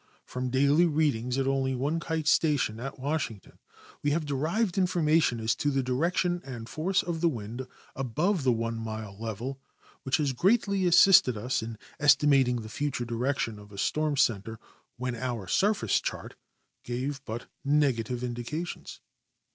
From daily readings at only one kite station, at Washington, we have derived information as to the direction and force of the wind above the one mile level, which has greatlv assisted us in estimating the future direction of a storm center when our surface chart gave but negative indications.